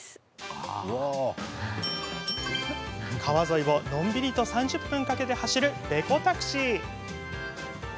川沿いをのんびりと３０分かけて走るべこタクシー。